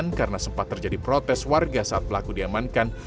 karena sempat terjadi protes warga saat pelaku diamankan